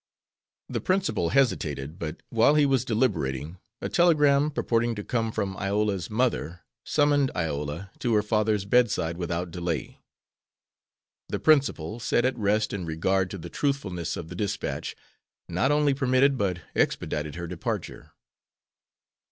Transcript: The principal hesitated, but while he was deliberating, a telegram, purporting to come from Iola's mother, summoned Iola to her father's bedside without delay. The principal, set at rest in regard to the truthfulness of the dispatch, not only permitted but expedited her departure.